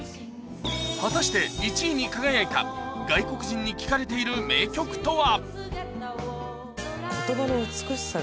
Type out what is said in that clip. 果たして１位に輝いた外国人に聴かれている名曲とは？